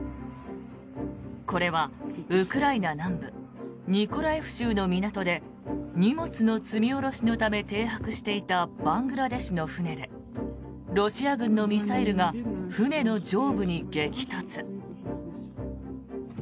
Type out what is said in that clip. これはウクライナ南部ニコラエフ州の港で荷物の積み下ろしのため停泊していたバングラデシュの船でロシア軍のミサイルが船の上部に激突。